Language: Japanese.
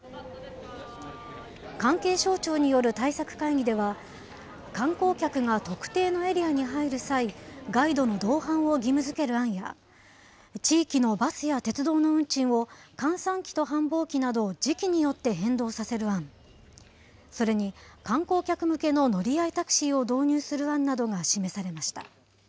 関係省庁による対策会議では、観光客が特定のエリアに入る際、ガイドの同伴を義務づける案や、地域のバスや鉄道の運賃を閑散期と繁忙期など、時期によって変動させる案、それに、観光客向けの乗合タクシーを導入する案などが示されました。